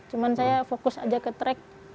cuma saya fokus aja ke track